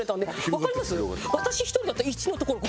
わかります？